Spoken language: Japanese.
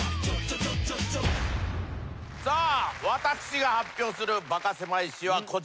私が発表するバカせまい史はこちらです。